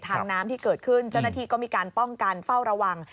น้ำที่เกิดขึ้นเจ้าหน้าที่ก็มีการป้องกันเฝ้าระวัง